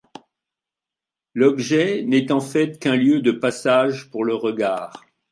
L’objet n’est en fait qu’un lieu de passage pour le regard.